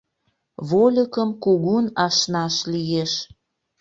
Вольыкым кугун ашнаш лиеш.